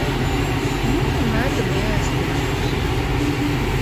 Ну, на этом я и остановлюсь.